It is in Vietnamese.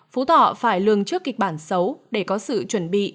phú thọ phải lường trước kịch bản xấu để có sự chuẩn bị